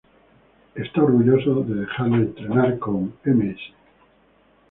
Él está orgulloso de dejarla entrenar con Ms.